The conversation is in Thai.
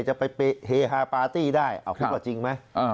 จะไปเฮฮาปาร์ตี้ได้คิดว่าจริงไหม